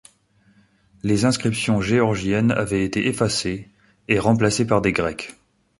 Les inscriptions géorgiennes avaient été effacées et remplacées par des grecques.